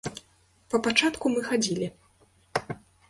Па пачатку мы хадзілі.